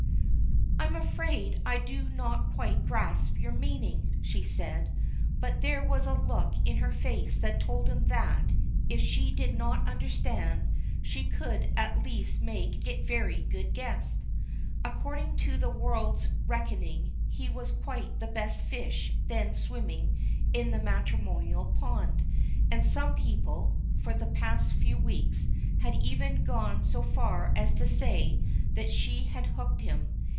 "I am afraid I do not quite grasp your meaning," she said. But there was a look in her face that told him that, if she did not understand, she could at least make a very good guess. According to the world's reckoning, he was quite the best fish then swimming in the matrimonial pond, and some people, for the past few weeks, had even gone so far as to say that she had hooked him.